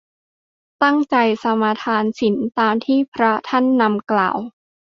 ตั้งใจสมาทานศีล ตามที่พระท่านนำกล่าว